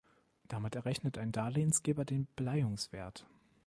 Damit errechnet ein Darlehensgeber den Beleihungswert.